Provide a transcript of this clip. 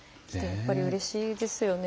やっぱりうれしいですよね